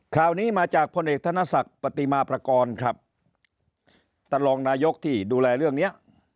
ข่าวนี้มาจากพลเอกธนศักดิ์ปฏิมาประกอบครับท่านรองนายกที่ดูแลเรื่องเนี้ย